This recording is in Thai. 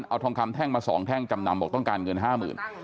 อ่าเอาทองคำแท่งมาสองแท่งจำนำบอกต้องการเงินห้าหมื่น